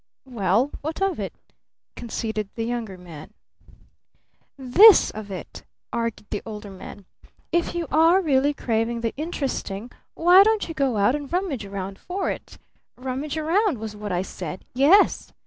"Well, what of it?" conceded the Younger Man. "This of it," argued the Older Man. "If you are really craving the interesting why don't you go out and rummage around for it? Rummage around was what I said! Yes!